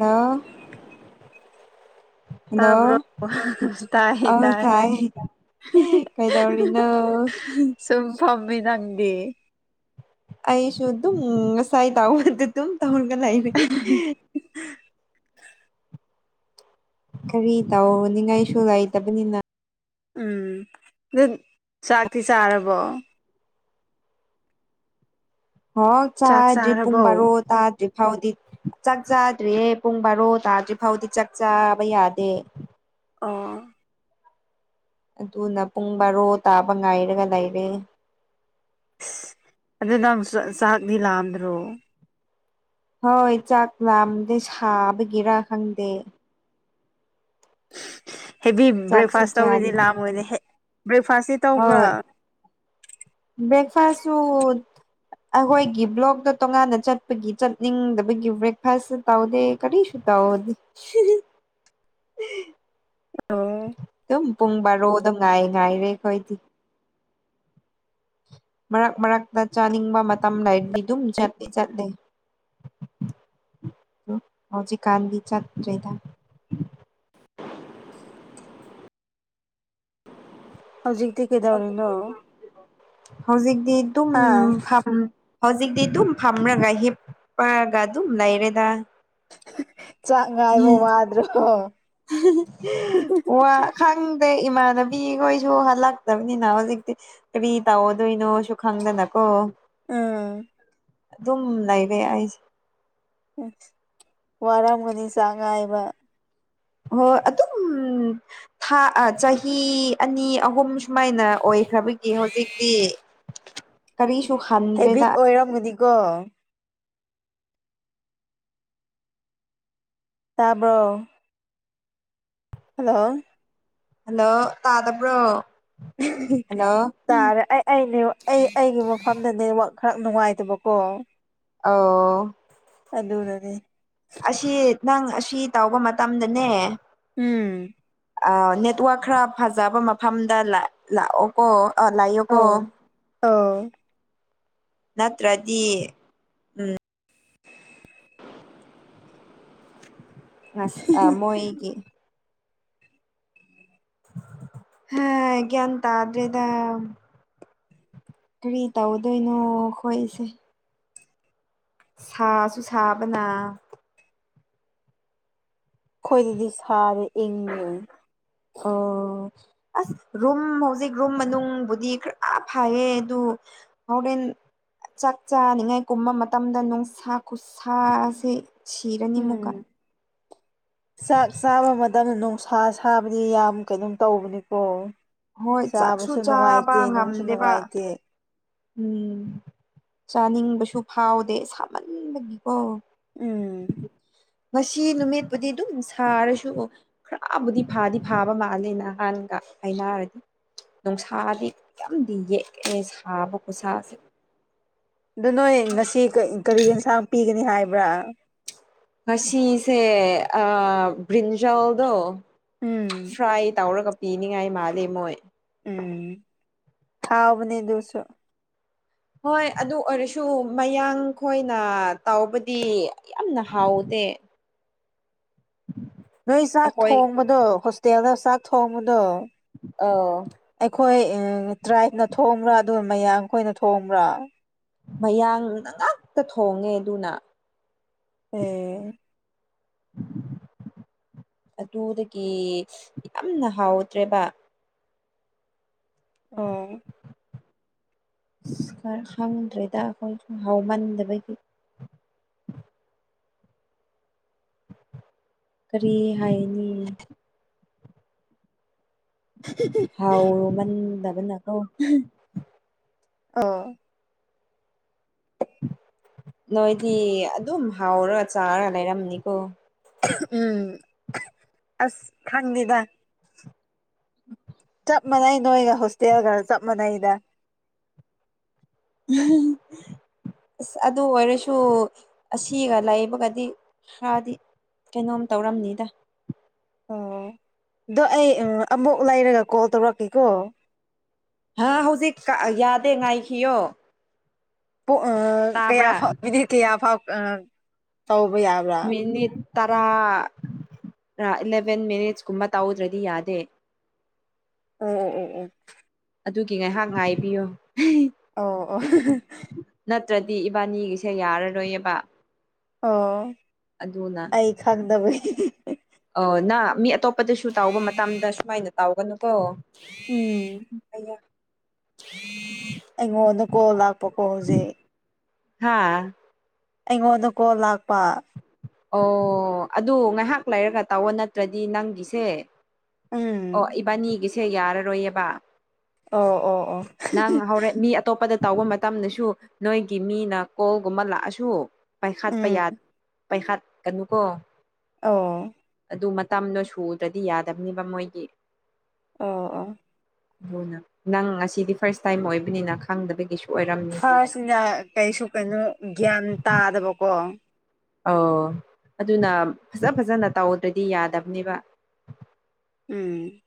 ꯅꯥ ꯍꯜꯂꯣ ꯇꯥꯕ꯭ꯔꯣ ꯇꯥꯕ꯭ꯔꯣ ꯑꯧ ꯇꯥꯏ [unintelligible] ꯀꯩꯗꯧꯔꯤꯅꯣ [unintelligible] ꯄꯤ ꯅꯪꯗꯤ ꯑꯩꯁꯨ ꯗꯨꯝ ꯉꯁꯥꯏ ꯇꯥꯎꯕꯗꯨ ꯗꯨꯝ ꯇꯧꯔꯒ ꯂꯩꯔꯤ [unintelligible] ꯀꯔꯤ ꯇꯧꯅꯤꯡꯉꯥꯏꯁꯨ ꯂꯩꯥꯇꯕꯅꯤꯅ ꯎꯝ ꯗꯨ ꯆꯥꯛꯇꯤ ꯆꯥꯔꯕꯣ ꯍꯣ ꯆꯥꯛ ꯆꯥꯗ꯭ꯔꯤ ꯄꯨꯡ ꯆꯥꯔꯕꯣ ꯕꯥꯔꯣ ꯇꯥꯗ꯭ꯔꯤ ꯐꯥꯎꯗꯤ ꯆꯥꯛ ꯆꯥꯗ꯭ꯔꯤꯌꯦ ꯄꯨꯡ ꯕꯥꯔꯣ ꯇꯥꯗ꯭ꯔꯤ ꯐꯥꯎꯗꯤ ꯆꯥꯛ ꯆꯥꯕ ꯌꯥꯗꯦ ꯑꯣ ꯑꯗꯨꯅ ꯄꯨꯡ ꯕꯥꯔꯣ ꯇꯥꯕ ꯉꯥꯏꯔꯒ ꯂꯩꯔꯦ ꯑꯁ ꯑꯗꯨ ꯅꯪ ꯆꯥꯛꯗꯤ ꯂꯥꯝꯗ꯭ꯔꯣ ꯍꯣꯏ ꯆꯥꯛ ꯂꯥꯝꯗꯦ ꯁꯥꯕꯒꯤꯔ ꯈꯪꯗꯦ ꯍꯦꯚꯤ ꯆꯥꯛꯁꯨ ꯕ꯭ꯔꯦꯛꯐꯥꯁ ꯆꯥꯗꯦ ꯇꯧꯔꯗꯤ ꯂꯥꯝꯃꯣꯏꯅꯦ ꯍꯦ ꯍꯣꯏ ꯕ꯭ꯔꯦꯛꯐꯥꯁꯁꯨ ꯑꯈꯣꯏꯒꯤ ꯕ꯭ꯂꯣꯛꯇ ꯇꯣꯉꯥꯟꯅ ꯆꯠꯄꯒꯤ ꯆꯠꯅꯤꯡꯗꯕꯒꯤ ꯕ꯭ꯔꯦꯛꯐꯥꯁꯁꯨ ꯇꯧꯗꯦ ꯀꯔꯤꯁꯨ ꯁꯨꯇꯧꯗꯦ ꯑꯣ ꯄꯨꯡ ꯕꯥꯔꯣꯗ ꯉꯥꯏ ꯉꯥꯏꯔꯦ ꯈꯣꯏꯗꯤ ꯃꯔꯛ ꯃꯔꯛꯇ ꯆꯥꯅꯤꯡꯕ ꯃꯇꯝ ꯂꯩꯔꯗꯤ ꯑꯗꯨꯝ ꯆꯠꯇꯤ ꯆꯠꯂꯦ ꯍꯧꯖꯤꯀꯥꯥꯟꯗꯤ ꯆꯠꯇ꯭ꯔꯦꯗ [inaudible] ꯍꯧꯖꯤꯛꯇꯤ ꯀꯩꯗꯧꯔꯤꯅꯣ ꯍꯧꯖꯤꯛꯇꯤ ꯑꯇꯨꯝ ꯍꯥ ꯐꯝ ꯍꯧꯖꯤꯛꯇꯤ ꯑꯗꯨꯝ ꯐꯝꯔꯒ ꯍꯤꯞꯄ꯭ꯔꯒ ꯑꯗꯨꯝ ꯂꯩꯔꯦꯗ [unintelligible] ꯍꯦ ꯉꯥꯏꯕ ꯍꯦ ꯋꯥꯗ꯭ꯔꯣ ꯍꯦ ꯋꯥ ꯈꯪ ꯑꯦ ꯏꯃꯥꯟꯅꯕꯤꯈꯣꯏꯁꯨ ꯍꯜꯂꯛꯇꯕꯅꯤꯅ ꯍꯧꯖꯤꯛꯇꯤ ꯀꯔꯤ ꯇꯧꯗꯣꯏꯅꯣꯁꯨ ꯈꯪꯗꯅꯀꯣ ꯑꯥ ꯑꯗꯨꯝ ꯂꯩꯔꯦ ꯑꯩꯁꯦ ꯑꯁ ꯋꯥꯔꯝꯒꯅꯤ ꯆꯥꯛ ꯉꯥꯏꯕ ꯍꯣꯏ ꯑꯗꯨꯝ ꯊꯥ ꯑꯥ ꯆꯍꯤ ꯑꯅꯤ ꯑꯍꯨꯝ ꯁꯨꯃꯥꯏꯅ ꯑꯣꯏ ꯑꯣꯏꯈ꯭ꯔꯕꯒꯤ ꯍꯧꯖꯤꯛꯇꯤ ꯀꯔꯤꯁꯨ ꯍꯦꯕꯤꯠ ꯍꯟꯗ꯭ꯔꯦꯗ ꯑꯣꯏꯔꯝꯒꯅꯤꯀꯣ ꯇꯥꯕ꯭ꯔꯣ ꯍꯜꯂꯣ ꯍꯜꯂꯣ ꯇꯥꯗꯕ꯭ꯔꯣ ꯍꯜꯂꯣ ꯇꯥꯔꯦ ꯑꯩ ꯑꯩ ꯑꯩꯅꯦ ꯑꯩ ꯑꯩꯒꯤ ꯃꯐꯝꯗ ꯅꯦꯋꯥꯛ ꯈꯔ ꯅꯨꯡꯉꯥꯏꯇꯕꯀꯣ ꯑꯥꯎ ꯑꯗꯨꯅꯅꯦ ꯑꯁꯤ ꯅꯪ ꯑꯁꯤ ꯇꯧꯕ ꯃꯇꯝꯗꯅꯦ ꯎꯝ ꯑꯥ ꯅꯦꯠꯋꯛ ꯈꯔ ꯐꯖꯕ ꯃꯐꯝꯗ ꯂꯦ ꯂꯥꯛꯑꯣꯀꯣ ꯑ ꯂꯩꯌꯣꯀꯣ ꯑꯥꯎ ꯅꯠꯇ꯭ꯔꯗꯤ ꯎꯝ ꯉꯁ ꯑꯥ ꯃꯣꯏꯒꯤ ꯍꯥ ꯒꯌꯥꯟ ꯇꯗ꯭ꯔꯦꯗ ꯀꯔꯤ ꯇꯧꯗꯣꯏꯅꯣ ꯈꯣꯏꯁꯦ ꯁꯥꯁꯨ ꯁꯥꯕꯅ ꯈꯣꯏꯗꯗꯤ ꯁꯥꯔꯦ ꯏꯪꯉꯦ ꯑꯣ ꯑꯣ ꯑꯁ ꯔꯨꯝ ꯍꯧꯖꯤꯛ ꯔꯨꯝ ꯃꯅꯨꯡꯕꯨꯗꯤ ꯈꯔ ꯐꯥꯏꯌꯦ ꯑꯗꯨ ꯆꯥꯛ ꯆꯥꯅꯤꯡꯉꯥꯏ ꯀꯨꯝꯕ ꯃꯇꯝꯗ ꯅꯨꯡꯁꯥ ꯈꯨꯁꯥꯁꯦ ꯁꯤꯔꯅꯤꯃꯨꯀꯥ ꯎꯝ ꯆꯥꯛ ꯆꯥꯕ ꯃꯇꯝ ꯅꯨꯡꯁꯥ ꯁꯥꯕꯗꯤ ꯌꯥꯝ ꯀꯩꯅꯣꯝ ꯇꯧꯕꯅꯤꯀꯣ ꯍꯣꯏ ꯆꯥꯛꯁꯨ ꯆꯥꯕꯁꯨ ꯆꯥꯕ ꯅꯨꯡꯉꯥꯏꯇꯦ ꯅꯨꯡꯁꯨ ꯉꯝꯗꯦꯕ ꯅꯨꯡꯉꯥꯏꯇꯦ ꯎꯝ ꯆꯥꯅꯤꯡꯕꯁꯨ ꯐꯥꯎꯗꯦ ꯁꯥꯃꯟꯕꯒꯤꯀꯣ ꯎꯝ ꯉꯁꯤ ꯅꯨꯃꯤꯠꯄꯨꯗꯤ ꯑꯗꯨꯝ ꯁꯥꯔꯁꯨ ꯈꯔꯕꯨꯗꯤ ꯐꯥꯗꯤ ꯐꯕ ꯃꯥꯜꯂꯦ ꯅꯍꯥꯟ ꯍꯥꯏꯅꯔꯗꯤ ꯅꯨꯡꯁꯥꯗꯤ ꯌꯥꯝꯗꯤ ꯌꯦꯛꯑꯦ ꯁꯥꯕ ꯈꯨꯁꯥꯁꯦ ꯑꯗꯨ ꯅꯣꯏ ꯉꯁꯤ ꯀꯔꯤ ꯌꯦꯟꯁꯥꯡ ꯄꯤꯒꯅꯤ ꯍꯥꯏꯕ꯭ꯔꯥ ꯉꯁꯤꯁꯦ ꯑꯥ ꯕ꯭ꯔꯤꯟꯖꯥꯜꯗꯨ ꯎꯝ ꯐ꯭ꯔꯥꯏ ꯇꯧꯔꯒ ꯄꯤꯅꯤꯡꯉꯥꯏ ꯃꯥꯜꯂꯤ ꯃꯣꯏ ꯎꯝ ꯊꯥꯎꯕꯅꯤ ꯑꯗꯨꯁꯨ ꯍꯣꯏ ꯑꯗꯨ ꯑꯣꯏꯔꯁꯨ ꯃꯌꯥꯡ ꯈꯣꯏꯅ ꯇꯧꯕꯗꯤ ꯌꯥꯝꯅ ꯍꯥꯎ ꯗꯦ ꯅꯣꯏ ꯆꯥꯛ ꯑꯩꯈꯣꯏ ꯊꯣꯡꯕꯗꯣ ꯍꯣꯁꯇꯦꯜꯗ ꯆꯥꯛ ꯊꯣꯡꯕꯗꯣ ꯑꯧ ꯍꯣꯏ ꯇ꯭ꯔꯥꯏꯞꯅ ꯊꯣꯡꯕ ꯑꯗꯨ ꯃꯌꯥꯝꯈꯣꯏꯅ ꯊꯣꯡꯕ꯭ꯔꯥ ꯃꯌꯥꯡꯅ ꯉꯥꯛꯇ ꯊꯣꯡꯉꯦ ꯑꯗꯨꯅ ꯑꯣ [unintelligible] ꯑꯗꯨꯗꯒꯤ ꯌꯥꯝꯅ ꯍꯥꯎꯇ꯭ꯔꯦꯕ ꯑꯣ ꯑꯁ ꯈꯔ ꯈꯪꯗ꯭ꯔꯦꯗ ꯑꯈꯣꯏꯁꯨ ꯍꯥꯎꯃꯟꯗꯕꯒꯤ ꯀꯔꯤ ꯍꯥꯏꯅꯤ ꯍꯥꯎꯃꯟꯗꯕꯅꯀꯣ ꯑꯧ ꯅꯣꯏꯗꯤ ꯑꯗꯨꯝ ꯍꯥꯎꯔ ꯆꯥꯔꯥ ꯂꯩꯔꯝꯅꯤꯀꯣ ꯎꯝ ꯑꯁ ꯈꯪꯗꯦꯗ ꯆꯞ ꯃꯥꯟꯅꯩ ꯅꯣꯏꯒ ꯍꯣꯁꯇꯦꯜꯒ ꯆꯞ ꯃꯥꯟꯅꯩꯗ [inaudible] ꯑꯁ ꯑꯗꯨ ꯑꯣꯏꯔꯁꯨ ꯑꯁꯤꯒ ꯂꯩꯕꯒꯗꯤ ꯈꯔꯗꯤ ꯀꯩꯅꯣꯝ ꯇꯧꯔꯝꯅꯤꯗ ꯑꯣ ꯑꯗꯣ ꯑꯩ ꯑꯃꯨꯛ ꯂꯩꯔꯒ ꯀꯣꯜ ꯇꯧꯔꯛꯀꯦꯀꯣ ꯍꯥ ꯍꯧꯖꯤꯛ ꯌꯥꯗꯦ ꯉꯥꯏꯈꯤꯌꯣ ꯑꯥ ꯇꯥꯕ꯭ꯔꯥ ꯀꯌꯥꯐꯥꯎ ꯀꯌꯥꯐꯥꯎ ꯇꯧꯕ ꯌꯥꯕ꯭ꯔꯥ ꯃꯤꯅꯤꯠ ꯇꯔꯥ ꯏꯂꯚꯦꯟ ꯃꯤꯅꯤꯠꯁ ꯀꯨꯝꯕ ꯇꯧꯗ꯭ꯔꯗꯤ ꯌꯥꯗꯦ ꯑꯣ ꯑꯣ ꯑꯣ ꯑꯣ ꯑꯗꯨꯒꯤ ꯉꯥꯏꯍꯥꯛ ꯉꯥꯏꯕꯤꯌꯣ ꯑꯣ ꯅꯠꯇ꯭ꯔꯗꯤ ꯏꯕꯥꯅꯤꯒꯤꯁꯦ ꯌꯥꯔꯔꯣꯏꯌꯦꯕ ꯑꯣ ꯑꯗꯨꯅ ꯑꯩ ꯈꯪꯗꯕꯒꯤ ꯑꯣ ꯅꯪ ꯃꯤ ꯑꯇꯣꯞꯄꯗꯁꯨ ꯇꯧꯕ ꯃꯇꯝꯗ ꯁꯨꯃꯥꯏꯅ ꯇꯧꯒꯅꯨꯀꯣ ꯎꯝ [unintelligible] ꯑꯩꯉꯣꯟꯗ ꯀꯣꯜ ꯂꯥꯛꯄꯀꯣ ꯍꯧꯖꯤꯛ ꯍꯥꯥ ꯑꯩꯉꯣꯟꯗ ꯀꯣꯜ ꯂꯥꯛꯄ ꯑꯣ ꯑꯗꯨ ꯉꯥꯏꯍꯥꯛ ꯂꯩꯔꯒ ꯇꯧꯑꯣ ꯅꯠꯇ꯭ꯔꯗꯤ ꯅꯪꯒꯤꯁꯦ ꯑꯣ ꯎꯝ ꯏꯕꯥꯅꯤꯒꯤꯁꯦ ꯌꯥꯔꯔꯣꯏꯌꯦꯕ ꯑꯣ ꯑꯣ ꯑꯣ ꯅꯪ ꯍꯧꯔꯦ ꯃꯤ ꯑꯇꯣꯞꯄꯗ ꯇꯧꯕ ꯃꯇꯝꯗꯁꯨ ꯅꯣꯏꯒꯤ ꯃꯤꯅ ꯀꯣꯜꯒꯨꯝꯕ ꯂꯥꯛꯑꯁꯨ ꯄꯥꯏꯈꯠꯄ ꯎꯝ ꯌꯥꯗꯦ ꯄꯥꯏꯈꯠꯀꯅꯨ ꯀꯣ ꯑꯣ ꯑꯗꯨ ꯃꯇꯝꯗꯣ ꯁꯨꯗ꯭ꯔꯗꯤ ꯌꯥꯗꯕꯅꯦꯕ ꯃꯣꯏꯗꯤ ꯑꯣ ꯑꯣ ꯑꯖꯨꯅ ꯅꯪ ꯉꯁꯤꯗꯤ ꯐꯥꯔꯁ ꯇꯥꯏꯝ ꯑꯣꯏꯕꯅꯤꯅ ꯈꯪꯗꯕꯒꯤꯁꯨ ꯑꯣꯏꯔꯝꯅꯤ ꯁꯥꯔ ꯑꯗꯨꯅꯅꯤ ꯁꯤꯅ ꯀꯩꯁꯨ ꯀꯩꯅꯣ ꯒ꯭ꯌꯥꯟ ꯇꯥꯗꯕꯀꯣ ꯑꯣ ꯑꯗꯨꯅ ꯐꯖ ꯐꯖꯅ ꯇꯧꯗ꯭ꯔꯗꯤ ꯌꯥꯗꯕꯅꯦꯕ ꯎꯝ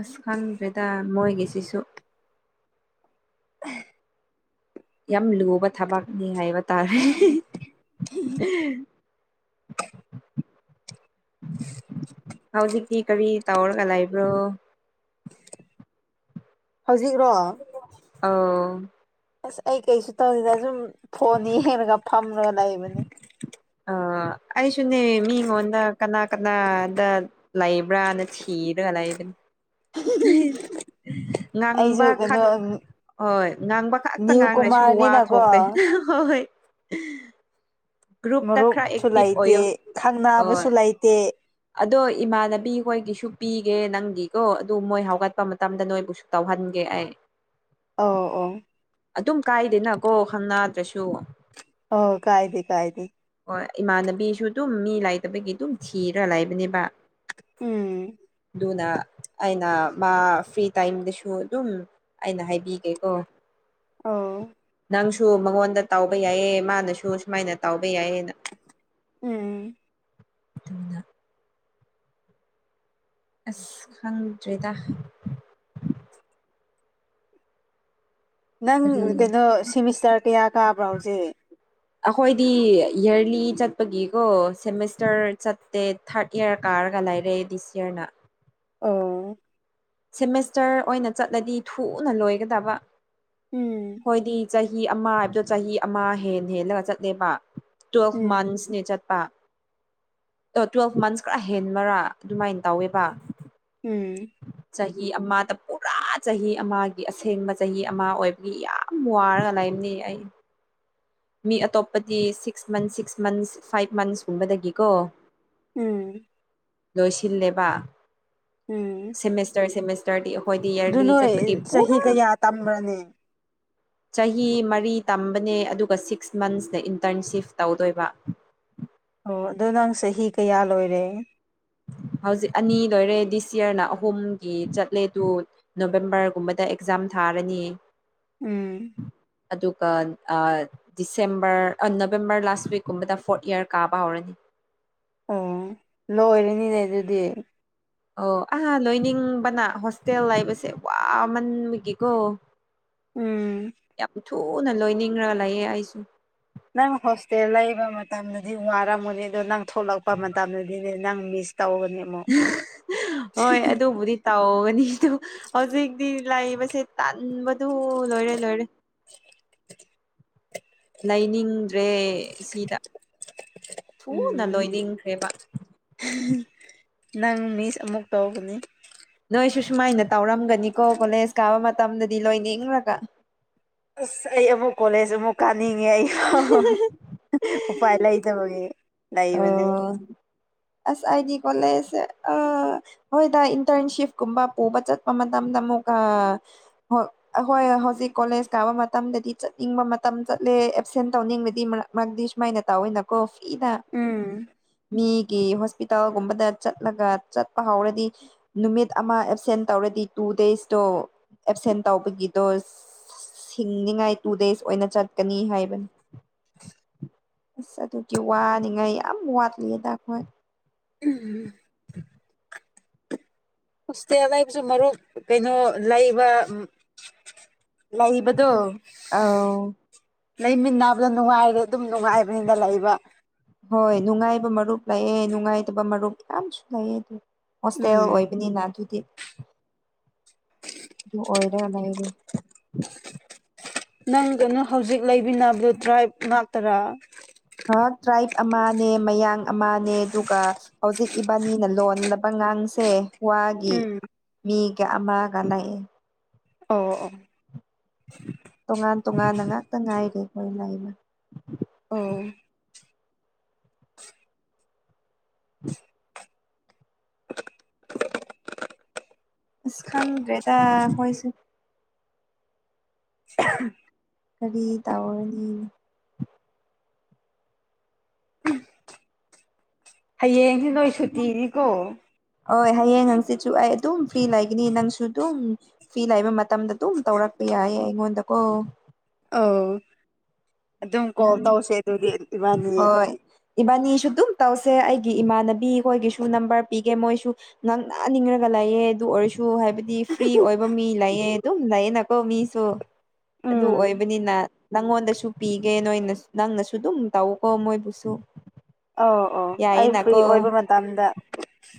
ꯑꯁ ꯈꯪꯗ꯭ꯔꯦꯗ ꯃꯣꯏꯒꯤꯁꯤꯁꯨ [unintelligible] ꯌꯥꯝ ꯂꯨꯕ ꯊꯕꯛꯅꯤ ꯍꯥꯏꯕ ꯇꯥꯔꯦ ꯍꯤꯍꯤ [inaudible] ꯍꯧꯖꯤꯛꯇꯤ ꯀꯔꯤ ꯇꯧꯔꯒ ꯂꯩꯕ꯭ꯔꯣ ꯍꯧꯖꯤꯛꯔꯣ ꯑꯧ ꯑꯁ ꯑꯩ ꯀꯩꯁꯨ ꯇꯧꯔꯤꯗ ꯁꯨꯝ ꯐꯣꯟꯅꯤ ꯌꯦꯡꯉꯒ ꯐꯝꯂꯒ ꯂꯩꯕꯅꯤ ꯑꯥ ꯑꯩꯁꯨꯅꯦ ꯃꯤꯉꯣꯟꯗ ꯀꯅꯥ ꯀꯅꯥꯗ ꯂꯩꯕ꯭ꯔꯅ ꯊꯤꯔꯒ ꯂꯩꯕꯅꯦ ꯍꯦꯍꯦ ꯉꯥꯡꯕ ꯑꯩꯁꯨ ꯀꯩꯅꯣ ꯈꯛ ꯍꯣꯏ ꯉꯥꯡꯕ ꯈꯛꯇ ꯅꯤꯌꯨ ꯉꯥꯡꯉꯁꯨ ꯋꯥ ꯀꯨꯃꯥꯔꯅꯤꯅꯀꯣ ꯊꯣꯛꯇꯦ ꯍꯣꯏ ꯒ꯭ꯔꯨꯞꯇ ꯈꯔ ꯃꯔꯨꯞꯁꯨ ꯑꯦꯛꯇꯤꯚ ꯂꯩꯇꯦ ꯑꯣꯏꯌꯣ ꯑꯣꯏ ꯈꯪꯅꯕꯁꯨ ꯂꯩꯇꯦ ꯑꯗꯣ ꯏꯃꯥꯟꯅꯕꯤꯈꯣꯏꯒꯤꯁꯨ ꯄꯤꯒꯦ ꯅꯪꯒꯤꯀꯣ ꯑꯗꯨ ꯃꯣꯏ ꯍꯧꯒꯠꯄ ꯃꯇꯝꯗ ꯅꯣꯏꯕꯨꯁꯨ ꯇꯧꯍꯟꯅꯤꯡ ꯇꯧꯍꯟꯒꯦ ꯑꯩ ꯑꯧ ꯑꯧ ꯑꯗꯨꯝ ꯀꯥꯏꯗꯦꯅꯀꯣ ꯈꯪꯅꯗ꯭ꯔꯁꯨ ꯑꯣ ꯀꯥꯏꯗꯦ ꯀꯥꯏꯗꯦ ꯍꯣꯏ ꯏꯃꯥꯟꯅꯕꯤꯁꯨ ꯑꯗꯨꯝ ꯃꯤ ꯂꯩꯇꯕꯒꯤ ꯑꯗꯨꯝ ꯊꯤꯔ ꯂꯩꯕꯅꯦꯕ ꯎꯝ ꯑꯗꯨꯅ ꯑꯩꯅ ꯃꯥ ꯐ꯭ꯔꯤ ꯇꯥꯏꯝꯗꯁꯨ ꯑꯗꯨꯝ ꯑꯩꯅ ꯍꯥꯏꯕꯤꯒꯦꯀꯣ ꯑꯧ ꯇꯨ ꯃꯉꯣꯟꯗ ꯇꯥꯎꯧꯕ ꯌꯥꯏꯌꯦ ꯃꯥꯅꯁꯨ ꯁꯨꯃꯥꯏꯅ ꯇꯥꯎ ꯕ ꯌꯥꯏ ꯍꯥꯏꯅ ꯎꯝ ꯑꯁ ꯈꯪꯗ꯭ꯔꯤꯗ ꯅꯪ ꯀꯔꯤ ꯀꯩꯅꯣ ꯁꯤꯃꯤꯁꯇꯔ ꯀꯌꯥ ꯀꯥꯕ꯭ꯔꯣ ꯍꯧꯖꯤꯛ ꯑꯩꯈꯣꯏꯗꯤ ꯏꯔꯂꯤ ꯆꯠꯄꯒꯤꯀꯣ ꯁꯦꯃꯤꯁꯇꯔ ꯆꯠꯇꯦ ꯊꯥꯔꯠ ꯏꯌꯥꯔ ꯀꯥꯔ ꯅꯥꯒꯥ ꯂꯥꯏꯔꯦ ꯑꯩ ꯗꯤ ꯁꯤꯌꯌꯔꯅꯥ ꯑꯣ ꯁꯦꯃꯦꯁꯇꯔ ꯑꯣꯏꯅ ꯆꯠꯂꯗꯤ ꯊꯨꯅ ꯂꯣꯏꯒꯗꯕ ꯎꯝ ꯍꯣꯏꯗꯤ ꯆꯍꯤ ꯑꯃ ꯍꯥꯏꯕꯗꯣ ꯆꯍꯤ ꯑꯃ ꯍꯦꯟ ꯍꯦꯜꯂꯒ ꯆꯠꯂꯦꯕ ꯇꯨꯌꯦꯜꯐ ꯎꯝ ꯃꯟꯁꯅꯦ ꯆꯠꯄ ꯑꯣ ꯇ꯭ꯋꯦꯜꯐ ꯃꯟꯁ ꯈꯔ ꯍꯦꯟꯕꯔꯥ ꯑꯗꯨꯃꯥꯏꯅ ꯇꯧꯋꯦꯕ ꯎꯝ ꯆꯍꯤ ꯑꯃꯗ ꯄꯨꯔꯥ ꯆꯍꯤ ꯑꯃꯒꯤ ꯑꯁꯦꯡꯕ ꯆꯍꯤ ꯑꯃ ꯑꯣꯏꯕꯒꯤ ꯌꯥꯝ ꯋꯥꯔꯒ ꯂꯩꯕꯅꯤ ꯑꯩ ꯃꯤ ꯑꯇꯣꯞꯄꯗꯤ six months six months five ꯃꯟꯁꯀꯨꯝꯕꯗꯒꯤꯀꯣ ꯎꯝ ꯂꯣꯏꯁꯤꯜꯂꯦꯕ ꯎꯝ ꯁꯦꯃꯦꯁꯇꯔ ꯁꯦꯃꯦꯁꯇꯔꯗꯤ ꯍꯣꯏꯗꯤ ꯑꯗꯨ ꯏꯔꯒꯤ ꯆꯠꯄꯗꯤ ꯅꯣꯏ ꯆꯍꯤ ꯄꯨꯔꯥ ꯀꯌꯥ ꯇꯝꯕ꯭ꯔꯅꯦ ꯆꯍꯤ ꯃꯔꯤ ꯇꯝꯕꯅꯦ ꯑꯗꯨꯒ ꯁꯤꯛꯁ ꯃꯟꯁꯅ ꯏꯟꯇꯔꯟꯁꯤꯞ ꯇꯧꯗꯣꯏꯕ [inaudible] ꯑꯣ ꯑꯗꯣ ꯅꯪ ꯆꯍꯤ ꯀꯌꯥ ꯂꯣꯏꯔꯦ ꯍꯧꯖꯤꯛ ꯑꯅꯤ ꯂꯣꯏꯔꯦ ꯗꯤꯁ ꯌꯔꯅ ꯑꯍꯨꯝꯒꯤ ꯆꯠꯂꯦ ꯇꯨ ꯅꯣꯕꯦꯝꯕꯔꯒꯨꯝꯕꯗ ꯑꯦꯛꯖꯥꯝ ꯆꯥꯝ ꯊꯥꯔꯅꯤ ꯎꯝ ꯑꯗꯨꯒ ꯑ ꯗꯤꯁꯦꯝꯕꯔ ꯑ ꯅꯕꯦꯝꯕꯔ ꯂꯥꯁ ꯋꯤꯛꯀꯨꯝꯕꯗ ꯐꯣꯔꯠ ꯏꯌꯥꯔ ꯀꯥꯕ ꯍꯧꯔꯅꯤ [inaudible] ꯑꯣ ꯂꯣꯏꯔꯅꯤꯅꯦ ꯑꯗꯨꯗꯤ ꯑꯣ ꯑꯍꯥ ꯂꯣꯏꯅꯤꯡꯕꯅ ꯍꯣꯁꯇꯦꯜ ꯂꯩꯕꯁꯦ ꯋꯥꯃꯟꯕꯒꯤꯀꯣ ꯎꯝ ꯌꯥꯝ ꯊꯨꯅ ꯂꯣꯏꯅꯤꯡꯔꯒ ꯂꯩꯌꯦ ꯑꯩꯁꯨ ꯅꯪ ꯍꯣꯁꯇꯦꯜ ꯂꯩꯕ ꯃꯇꯝꯗꯗꯤ ꯋꯥꯔꯝꯃꯅꯤꯗꯣ ꯅꯪ ꯊꯣꯛꯂꯛꯄ ꯃꯇꯝꯗꯗꯤꯅꯦ ꯅꯪꯃꯤꯁ ꯍꯣꯏ ꯑꯗꯨꯕꯨꯗꯤ ꯇꯧꯒꯅꯤ ꯍꯧꯖꯤꯛꯇꯤ ꯂꯩꯕꯁꯦ ꯇꯥꯟꯕꯗꯨ ꯂꯣꯏꯔꯦ ꯂꯣꯏꯔꯦ ꯂꯩꯅꯤꯡꯗ꯭ꯔꯦ ꯁꯤꯗ ꯊꯨꯅ ꯎꯝ ꯂꯣꯏꯅꯤꯡꯈ꯭ꯔꯦꯕ ꯅꯪ ꯃꯤꯁ ꯑꯃꯨꯛ ꯇꯧꯒꯅꯤ ꯅꯣꯏꯁꯨ ꯁꯨꯃꯥꯏꯅ ꯇꯧꯔꯝꯒꯅꯤꯀꯣ ꯀꯣꯂꯦꯖ ꯀꯥꯕ ꯃꯇꯝꯗꯗꯤ ꯂꯣꯏꯅꯤꯡꯔꯒ ꯑꯁ ꯑꯩ ꯑꯃꯨꯛ ꯀꯣꯂꯦꯖ ꯑꯃꯨꯛ ꯀꯥ ꯅꯤꯡꯉꯦ ꯑꯩ ꯎꯄꯥꯏ ꯂꯩꯇꯕꯒꯤ ꯂꯩꯕꯅꯦ ꯑꯣ ꯑꯁ ꯑꯩꯗꯤ ꯀꯣꯂꯦꯖ ꯑ ꯍꯣꯏꯗ ꯏꯟꯇꯔꯟꯁꯤꯞꯀꯨꯝꯕ ꯄꯨꯕ ꯆꯠꯄ ꯃꯇꯝꯗ ꯃꯨꯛꯀ ꯍ ꯍꯣꯏ ꯍꯧꯖꯤꯛ ꯀꯣꯂꯦꯖ ꯀꯥꯕ ꯃꯇꯝꯗꯗꯤ ꯆꯠꯅꯤꯡꯕ ꯃꯇꯝ ꯆꯠꯂꯦ ꯑꯦꯞꯁꯦꯟ ꯇꯧꯅꯤꯡꯕꯗꯤ ꯃꯔꯛ ꯃꯔꯛꯗꯤ ꯁꯨꯃꯥꯏꯅ ꯇꯧꯋꯦꯅꯀꯣ ꯐꯤꯗ ꯎꯝ ꯃꯤꯒꯤ ꯍꯣꯁꯄꯤꯇꯥꯜꯒꯨꯝꯕꯗ ꯆꯠꯂꯒ ꯆꯠꯄ ꯍꯧꯔꯗꯤ ꯅꯨꯃꯤꯠ ꯑꯃ ꯑꯦꯞꯁꯦꯟ ꯇꯧꯔ ꯗꯤ ꯇꯨ ꯗꯦꯖꯇꯣ ꯑꯦꯞꯁꯦꯟ ꯇꯧꯕꯒꯤ ꯗꯣ ꯁꯤꯡꯅꯤꯉꯥꯏ ꯇꯨ ꯗꯦꯖ ꯑꯣꯏꯅ ꯆꯠꯀꯅꯤ ꯍꯥꯏꯕꯅꯤ ꯑꯁ ꯑꯗꯨꯒꯤ ꯋꯥꯅꯤꯉꯥꯏ ꯌꯥꯝ ꯋꯥꯠꯂꯤꯗ ꯑꯈꯣꯏ ꯎꯝ ꯍꯣꯁꯇꯦꯜ ꯂꯩꯕꯁꯨ ꯃꯔꯨꯞ ꯀꯩꯅꯣ ꯂꯩꯕ ꯂꯩꯕꯗꯣ ꯑꯥꯎ ꯂꯩꯃꯤꯟꯅꯕꯗ ꯅꯨꯡꯉꯥꯏꯔꯦ ꯑꯗꯨꯝ ꯅꯨꯡꯉꯥꯏꯕꯅꯤꯅ ꯂꯩꯕ ꯍꯣꯏ ꯅꯨꯡꯉꯥꯏꯕ ꯃꯔꯨꯞ ꯂꯥꯛꯑꯦ ꯅꯨꯡ ꯅꯨꯡꯉꯥꯏꯇꯕ ꯃꯔꯨꯞ ꯌꯥꯝꯁꯨ ꯂꯩꯑꯦ ꯑꯗꯨ ꯍꯣꯁꯇꯦꯜ ꯎꯝ ꯑꯣꯏꯕꯅꯤꯅ ꯑꯗꯨꯗꯤ ꯑꯣꯏꯔ ꯂꯩꯔꯦ ꯅꯪ ꯀꯩꯅꯣ ꯇꯔꯥ [unintelligible] ꯇ꯭ꯔꯥꯏꯕ ꯑꯃꯅꯦ ꯃꯌꯥꯡ ꯑꯃꯅꯦ ꯑꯗꯨꯒ ꯍꯧꯖꯤꯛ ꯏꯕꯥꯅꯤꯅ ꯂꯣꯜꯂꯕ ꯉꯥꯡꯁꯦ ꯋꯥꯒꯤ ꯎꯝ ꯃꯤꯒ ꯑꯃꯒ ꯂꯥꯛꯑꯦ ꯑꯣꯑꯣ ꯇꯣꯉꯥꯟ ꯇꯣꯉꯥꯟꯅ ꯉꯥꯛꯇ ꯉꯥꯏꯔꯦ ꯍꯣꯏ ꯂꯥꯏꯃ ꯑꯣ ꯑꯁ ꯈꯪꯗ꯭ꯔꯦꯇ ꯈꯣꯢꯁꯦ ꯀꯔꯤ ꯇꯧꯔꯅꯤ ꯍꯌꯦꯡꯁꯦ ꯅꯣꯏ ꯁꯨꯇꯤꯅꯤꯀꯣ ꯍꯣꯏ ꯍꯌꯦꯡ ꯍꯪꯆꯤꯠꯁꯨ ꯑꯩ ꯑꯗꯨꯝ ꯐ꯭ꯔꯤ ꯂꯩꯒꯅꯤ ꯅꯪꯁꯨ ꯑꯗꯨꯝ ꯐ꯭ꯔꯤ ꯂꯩꯕ ꯃꯇꯝꯗ ꯑꯗꯨꯝ ꯇꯧꯔꯛꯀꯦ ꯌꯥꯏꯑꯦ ꯑꯩꯉꯣꯟꯗꯀꯣ ꯑꯧ ꯑꯗꯨꯝ ꯀꯣꯜ ꯅꯪ ꯇꯧꯁꯦ ꯑꯗꯨꯗꯤ ꯑꯗꯨ ꯏꯕꯥꯅꯤ ꯍꯣꯏ ꯏꯕꯥꯅꯤꯁꯨ ꯑꯗꯨꯝ ꯇꯧꯁꯦ ꯑꯩꯒꯤ ꯏꯃꯥꯟꯅꯕꯤ ꯑꯩꯈꯣꯏꯒꯤꯁꯨ ꯅꯝꯕꯔ ꯄꯤꯒꯦ ꯃꯣꯏꯁꯨ ꯉꯥꯡꯅ ꯅꯤꯡꯉꯒ ꯂꯩꯑꯦ ꯑꯗꯨ ꯑꯣꯏꯔꯁꯨ ꯍꯥꯏꯕ ꯗꯤ ꯐ꯭ꯔꯤ ꯑꯣꯏꯕ ꯃꯤ ꯂꯩꯌꯦ ꯑꯗꯨꯝ ꯂꯩꯌꯦꯅꯀꯣ ꯃꯤꯁꯨ ꯑꯗꯨ ꯎꯝ ꯑꯣꯏꯕꯅꯤꯅ ꯅꯪꯉꯣꯟꯗꯁꯨ ꯄꯤꯒꯦ ꯅꯣꯏꯅ ꯅꯪꯅꯁꯨ ꯑꯗꯨꯝ ꯇꯧꯀꯣ ꯃꯣꯏꯕꯨꯁꯨ ꯑꯧ ꯑꯧ ꯑꯩ ꯐ꯭ꯔꯤ ꯌꯥꯏꯌꯦꯅꯀꯣ ꯑꯣꯏꯕ ꯃꯇꯝꯗ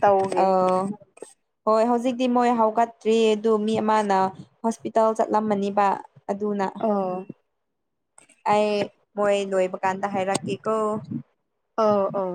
ꯇꯧꯒꯦ ꯑꯧ ꯍꯣꯏ ꯍꯧꯖꯤꯛꯇꯤ ꯃꯣꯏ ꯍꯧꯒꯠꯇ꯭ꯔꯤ ꯑꯗꯨ ꯃꯤ ꯑꯃꯅ ꯍꯣꯁꯄꯤꯇꯥꯜ ꯆꯠꯂꯝꯃꯅꯤꯕ ꯑꯗꯨꯅ ꯑꯣ ꯑꯩ ꯃꯣꯏ ꯂꯣꯏꯕ ꯀꯥꯟꯗ ꯍꯥꯏꯔꯛꯀꯦꯀꯣ ꯑꯣ ꯑꯣ